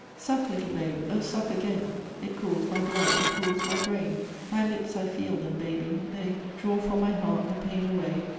"Suck, little babe, oh suck again! It cools my blood; it cools my brain; Thy lips, I feel them, baby! They Draw from my heart the pain away.